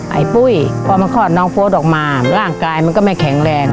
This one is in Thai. ไอ้ปุ้ยพอมันคลอดน้องโฟสออกมาร่างกายมันก็ไม่แข็งแรง